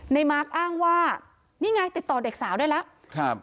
มาร์คอ้างว่านี่ไงติดต่อเด็กสาวได้แล้วครับ